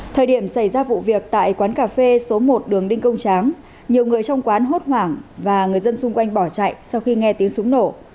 thời điểm xảy ra vụ việc tại quán cà phê số một đường đinh công tráng nhiều người trong quán hốt hoảng và người dân xung quanh bỏ chạy sau khi nghe tiếng súng nổ